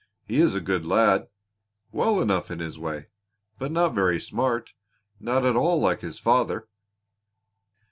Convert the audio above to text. He is a good lad well enough in his way but not very smart. Not at all like his father."